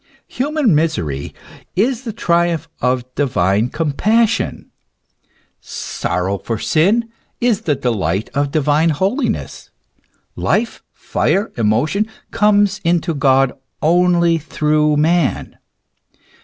Human misery is the triumph of divine compassion ; sorrow for sin is the delight of the divine holiness. Life, fire, emotion comes into God only through man.